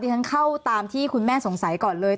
ฉันเข้าตามที่คุณแม่สงสัยก่อนเลย